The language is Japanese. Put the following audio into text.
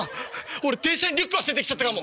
俺電車にリュック忘れてきちゃったかも。